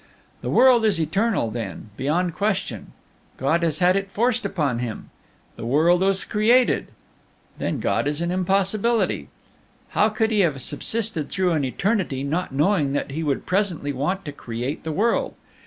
The world is eternal: then, beyond question, God has had it forced upon Him. The world was created: then God is an impossibility. How could He have subsisted through an eternity, not knowing that He would presently want to create the world?